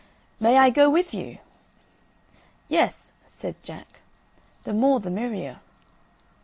"May I go with you?" "Yes," said Jack, "the more the merrier."